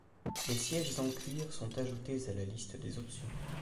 Les sièges en cuir sont ajoutés à la liste des options.